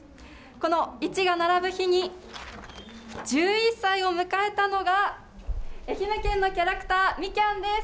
この１が並ぶ日に１１歳を迎えたのが愛媛県のキャラクターみきゃんです。